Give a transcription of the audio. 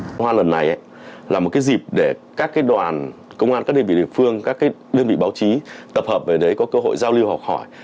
hoa lần này là một cái dịp để các đoàn công an các đơn vị địa phương các đơn vị báo chí tập hợp về đấy có cơ hội giao lưu học hỏi